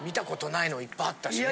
いっぱいあった。